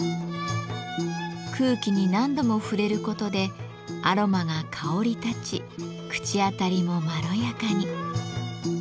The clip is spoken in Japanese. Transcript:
空気に何度も触れることでアロマが香り立ち口当たりもまろやかに。